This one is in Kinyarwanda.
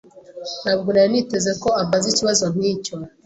Ntabwo nari niteze ko ambaza ikibazo nkicyo.